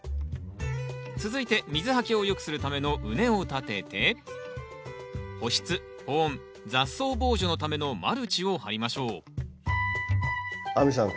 続いて水はけをよくするための畝を立てて保湿・保温・雑草防除のためのマルチを張りましょう亜美さん